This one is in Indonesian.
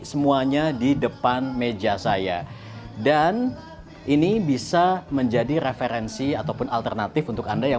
semuanya di depan meja saya dan ini bisa menjadi referensi ataupun alternatif untuk anda yang